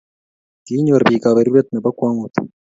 Kinyor biik kaberuret nebo kwangut